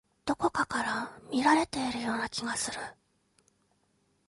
どこかから見られているような気がする。